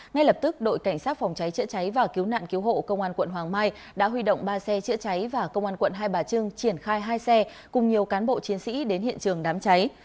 ngay lập tức đội cảnh sát phòng cháy chữa cháy và cứu nạn cứu hộ công an quận hoàng mai đã huy động ba xe chữa cháy và công an quận hai bà trưng triển khai hai xe cùng nhiều cán bộ chiến sĩ đến hiện trường đám cháy